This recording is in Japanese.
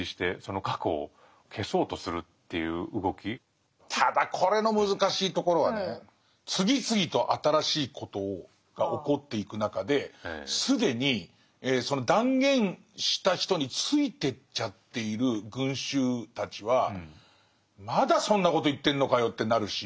現在でさえなくてただこれの難しいところはね次々と新しいことが起こっていく中で既にその断言した人についてっちゃっている群衆たちは「まだそんなこと言ってんのかよ」ってなるし。